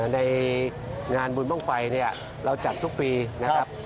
ในงานบุญบ้างไฟเนี่ยเราจัดทุกปีนะครับ